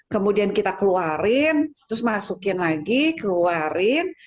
kemudian kita keluarin terus masukin lagi keluarin